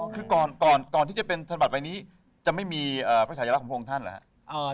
คือก่อนที่จะเป็นธนบัตรใบนี้จะไม่มีพระชายลักษณ์ของพระองค์ท่านหรือครับ